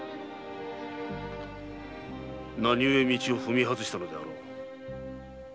何故に道を踏み外したのであろう？